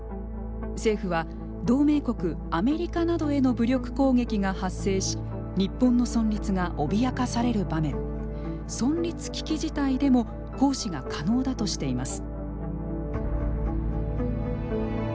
政府は、同盟国アメリカなどへの武力攻撃が発生し日本の存立が脅かされる場面存立危機事態でも行使が可能だとしています。